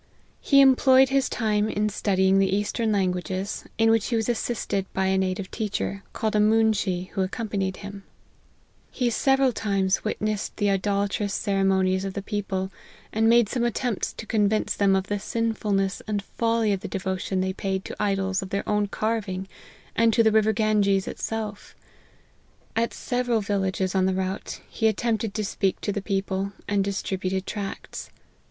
He employed his time in studying the eastern languages, in which he was assisted by a native teacher, called a moonshee, who accompanied him. LIFE OF HENRY MARTYN. 75 He several times witnessed the idolatrous cere monies of the people, and made some attempts to convince them of the sinfulness and folly of the devotion they paid to idols of their own carving, and to the river Ganges itself. At several villages on the route he attempted to speak to the people, and distributed tracts.